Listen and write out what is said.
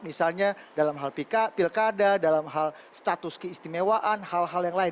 misalnya dalam hal pilkada dalam hal status keistimewaan hal hal yang lain